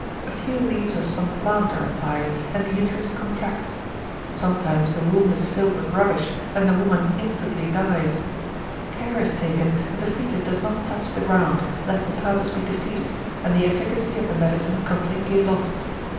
A few leaves of some plant are applied, and the uterus contracts. Sometimes the womb is filled with rubbish, and the woman instantly dies. Care is taken that the foetus does not touch the ground, lest the purpose be defeated, and the efficacy of the medicine completely lost.